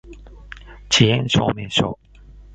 遅延証明書